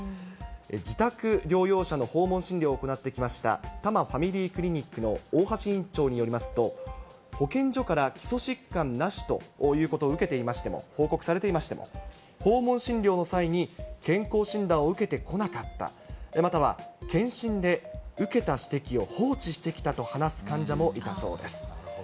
自宅療養者の訪問診療を行ってきました多摩ファミリークリニックの大橋院長によりますと、保健所から基礎疾患なしということを受けていましても、報告されていましても、訪問診療の際に健康診断を受けてこなかった、または、健診で受けた指摘を放置してきたと話す患者もいたそうです。